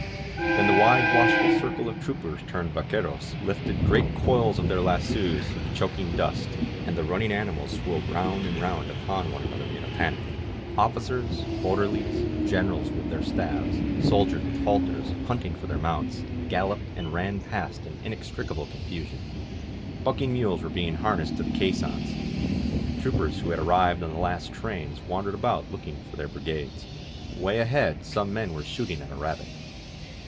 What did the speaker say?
Then the wide, watchful circle of troopers turned vaqtieros lifted the great coils of their lassoes through the choking dust, and the run ning animals swirled round and round upon one an other in a panic. Officers, orderlies, generals with their staffs, soldiers with halters, hunting for their mounts, galloped and ran past in inextricable confusion. Buck ing mules were being harnessed to the caissons. Troop ers who had arrived on the last trains wandered about looking for their brigades. Way ahead some men were shooting at a rabbit.